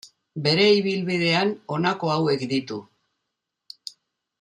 Bere ibilbidean honako hauek ditu.